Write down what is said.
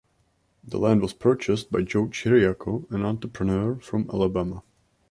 The land was purchased by Joe Chiriaco, an entrepreneur from Alabama.